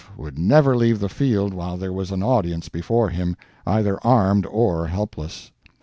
would never leave the field while there was an audience before him, either armed or helpless.